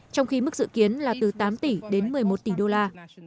trong khi mức dự kiến là từ tám tỷ đến một mươi một tỷ đô la